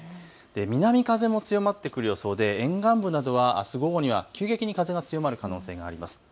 南風も強まってくる予想で沿岸部などはあす午後には急激に風が強まる予想になっています。